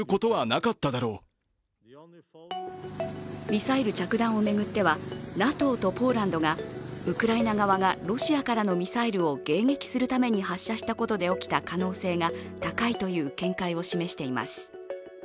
ミサイル着弾を巡ってはＮＡＴＯとポーランドがウクライナ側がロシアからのミサイルを迎撃するために発射したことで起きた可能性が高いという見解を示しています。